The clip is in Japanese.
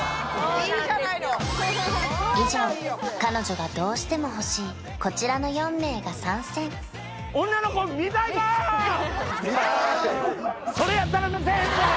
以上彼女がどうしても欲しいこちらの４名が参戦よしさあいきましょう